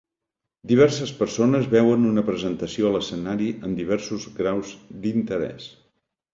Diverses persones veuen una presentació a l'escenari amb diversos graus d'interès.